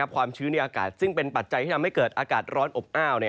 ความชื้นในอากาศซึ่งเป็นปัจจัยที่ทำให้เกิดอากาศร้อนอบอ้าว